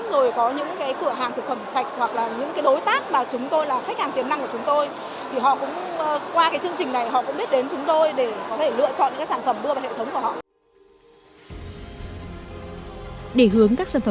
rồi có những cái cửa hàng thực phẩm sạch hoặc là những cái đối tác mà chúng tôi là khách hàng tiềm năng của chúng tôi